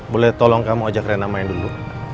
boleh tolong kamu ajak rena main dulu